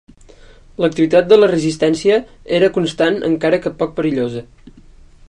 L'activitat de la resistència era constant encara que poc perillosa.